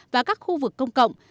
và các khu vực công cộng